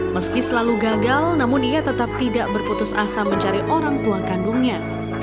meski selalu gagal namun ia tetap tidak berputus asa mencari orang tua kandungnya